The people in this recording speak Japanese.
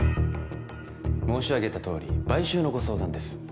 申し上げたとおり買収のご相談です